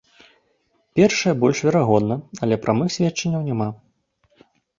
Першае больш верагодна, але прамых сведчанняў няма.